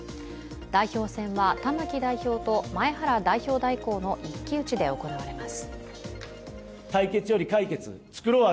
代表選は玉木代表と前原代表代行の一騎打ちで行われます。